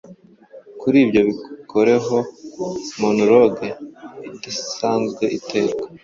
Kuri ibyo bikoreho monologue idaanzwe iterwa